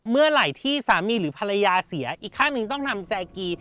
เมื่อไหร่ที่สามีหรือภรรยาเสียอีกข้างหนึ่งต้องนำแซกี